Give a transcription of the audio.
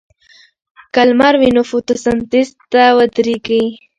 که لمر وي نو فوتوسنتیز نه ودریږي.